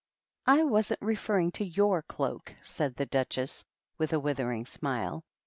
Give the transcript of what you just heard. "I wasn't referring to your cloak," said the Duchess, with a withering smile.